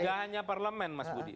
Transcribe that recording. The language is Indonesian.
gak hanya parlemen mas budi